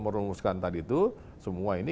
merumuskan tadi itu semua ini